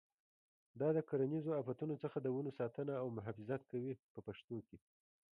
دا د کرنیزو آفتونو څخه د ونو ساتنه او محافظت کوي په پښتو کې.